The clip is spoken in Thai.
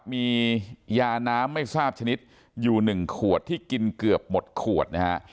มียาน้ำไม่ทราบชนิดอยู่๑ขวดที่กินเกือบหมดขวดนะฮะ